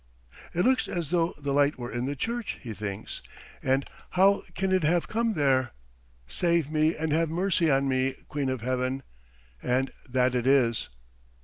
"It looks as though the light were in the church," he thinks. "And how can it have come there? Save me and have mercy on me, Queen of Heaven! And that it is."